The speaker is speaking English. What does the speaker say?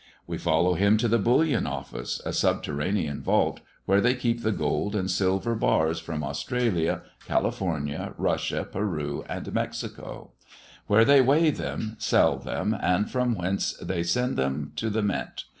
We follow him to the Bullion Office, a subterranean vault, where they keep the gold and silver bars from Australia, California, Russia, Peru, and Mexico; where they weigh them, sell them, and from whence they send them to the Mint.